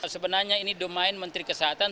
sebenarnya ini domain menteri kesehatan